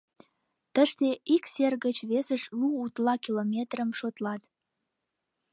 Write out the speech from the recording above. Тыште ик сер гыч весыш лу утла километрым шотлат.